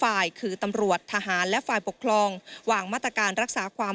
ฝ่ายคือตำรวจทหารและฝ่ายปกครองวางมาตรการรักษาความ